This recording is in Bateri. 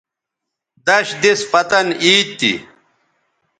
دش دِس پتن عید تھی